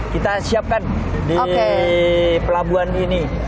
kita siapkan di pelabuhan ini